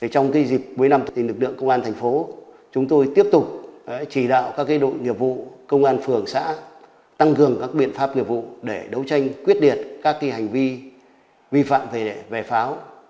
trong dịp cuối năm lực lượng công an thành phố chúng tôi tiếp tục chỉ đạo các đội nghiệp vụ công an phường xã tăng cường các biện pháp nghiệp vụ để đấu tranh quyết liệt các hành vi vi phạm về pháo